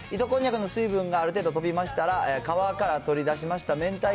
こんにゃくの水分がある程度飛びましたら、皮から取り出しましためん